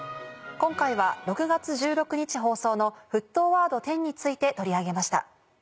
今回は６月１６日放送の『沸騰ワード１０』について取り上げました。